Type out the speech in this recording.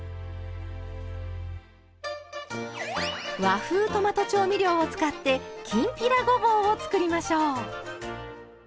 和風トマト調味料を使ってきんぴらごぼうを作りましょう。